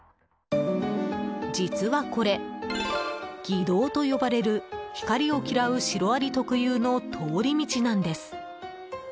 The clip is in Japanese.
実はこれ、蟻道と呼ばれる光を嫌うシロアリ特有の通り道なんです。